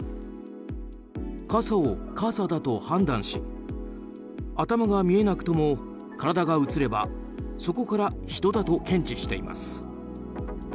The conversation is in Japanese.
傘を傘だと判断し頭が見えなくとも体が映ればそこから人だと検知しています。